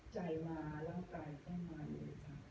ใจมาร่างกายต้องมาเลยค่ะ